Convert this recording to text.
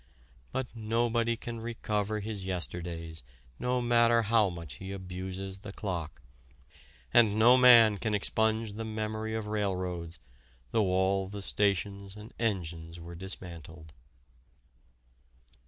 But nobody can recover his yesterdays no matter how much he abuses the clock, and no man can expunge the memory of railroads though all the stations and engines were dismantled.